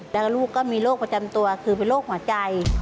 แล้วก็ลูกก็มีโรคประจำตัวคือเป็นโรคหัวใจ